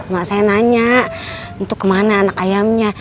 mak saya nanya untuk kemana anak ayamnya